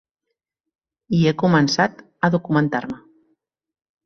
I he començat a documentar-me.